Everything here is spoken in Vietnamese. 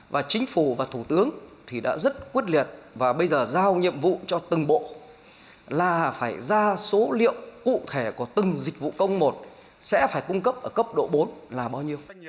và chính phủ và thủ tướng thì đã rất quyết liệt và bây giờ giao nhiệm vụ cho từng bộ là phải ra số liệu cụ thể của từng dịch vụ công một sẽ phải cung cấp ở cấp độ bốn là bao nhiêu